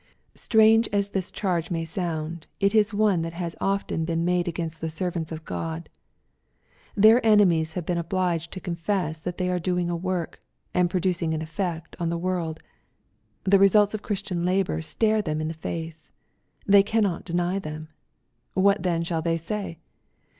Strange as this charge may sound, it is one that has often been made against the servants of God. Their enemies have been obliged to confess that they are doing a work, and producing an effect on the world. The results of Christian labor stare them in the face. They cannot deny them. What then shall they say